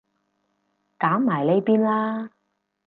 搞埋呢邊啦